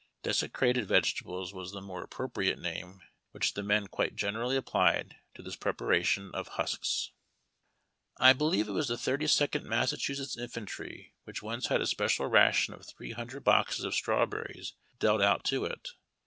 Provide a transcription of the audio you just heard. ^' Desecrated vegetables " was the more appropriate name Avhich the men quite generally applied to this preparation of husks. I believe it was the Thirty Second Massachusetts Infan try which once had a special ration of three hundred boxes of strawberries dealt out to it.